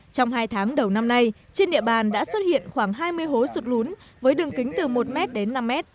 trong hai tháng đầu năm nay trên địa bàn đã xuất hiện khoảng hai mươi hố sụt lún với đường kính từ một m đến năm m